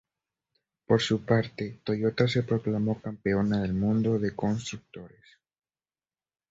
Por su parte Toyota se proclamó campeona del mundo de constructores.